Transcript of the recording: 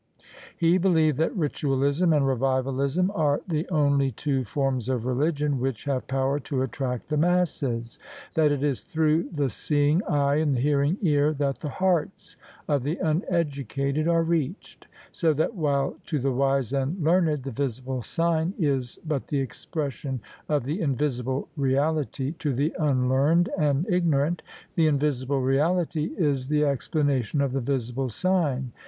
He believed that Ritualism and Revivalism are the only two forms of religion which have power to attract the masses: that it is through the seeing eye and the hearing ear that the hearts of the unedu cated are reached: so that, while to the wise and learned the visible sign is but the expression of the invisible reality, to the unlearned and ignorant the invisible reality is the ex planation of the visible sign.